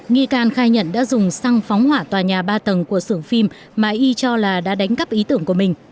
nghi can khai nhận đã dùng xăng phóng hỏa tòa nhà ba tầng của sưởng phim mà y cho là đã đánh cắp ý tưởng của mình